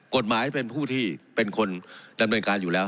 กฎหมายเป็นผู้ที่เป็นคนดำเนินการอยู่แล้ว